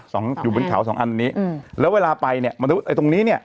อยู่บนเขาสองอันนี้อืมแล้วเวลาไปเนี้ยมันไอ้ตรงนี้เนี้ย